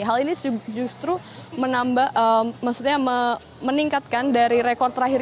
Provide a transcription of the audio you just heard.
hal ini justru meningkatkan dari rekor terakhir